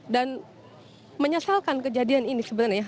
dan menyesalkan kejadian ini sebenarnya